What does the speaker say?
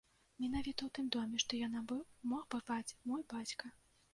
Менавіта ў тым доме, што я набыў, мог бываць мой бацька.